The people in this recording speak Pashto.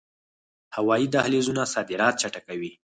هوایی دهلیزونه صادرات چټکوي